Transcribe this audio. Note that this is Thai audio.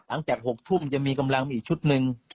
หลังจาก๖ทุ่มจะมีกำลังมีอีกชุดหนึ่ง